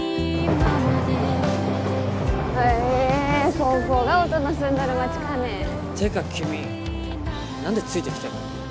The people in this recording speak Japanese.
ここが音の住んどる街かねてか君何でついてきてんの？